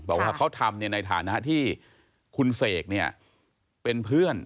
บอกว่าเขาทำในฐานะที่คุณเสกเนี่ยเป็นเพื่อน